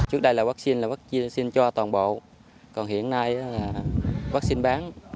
trước đây là vaccine là vaccine cho toàn bộ còn hiện nay là vaccine bán